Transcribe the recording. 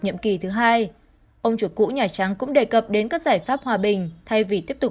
nhiệm kỳ thứ hai ông chủ cũ nhà trắng cũng đề cập đến các giải pháp hòa bình thay vì tiếp tục